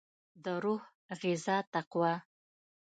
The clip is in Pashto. دروح غذا تقوا